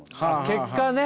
結果。